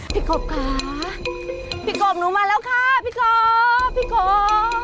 กบค่ะพี่กบหนูมาแล้วค่ะพี่กบพี่กบ